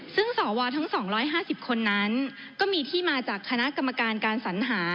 ซึ่งสวทั้ง๒๕๐คนนั้นก็มีที่มาจากคณะกรรมการการสัญหา